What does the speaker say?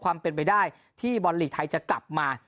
ความเป็นไปได้ที่บอลลีกไทยจะกลับมา